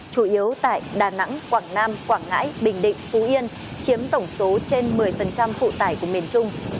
chủ yếu tại đà nẵng quảng nam quảng ngãi bình định phú yên chiếm tổng số trên một mươi phụ tải của miền trung